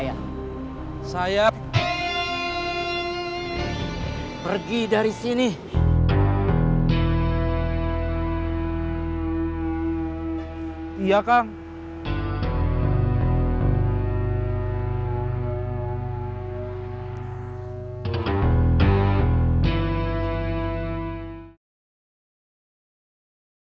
kalau karena itu pertama kali kamu proving kamu terserahkan